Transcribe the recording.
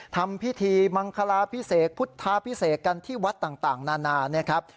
ทำพิธีมังคลาพิเศษพุทธาพิเศษกันที่วัดต่างนานานะครับ